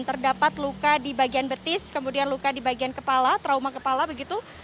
terdapat luka di bagian betis kemudian luka di bagian kepala trauma kepala begitu